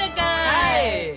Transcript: はい！